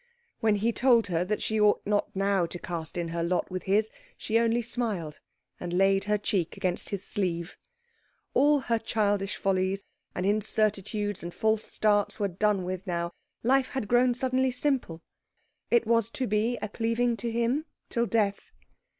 When he told her that she ought not now to cast in her lot with his, she only smiled, and laid her cheek against his sleeve. All her childish follies, and incertitudes, and false starts were done with now. Life had grown suddenly simple. It was to be a cleaving to him till death.